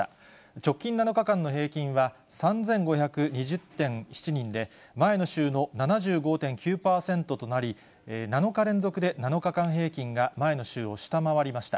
直近７日間の平均は３５２０．７人で、前の週の７５．９％となり、７日連続で７日間平均が前の週を下回りました。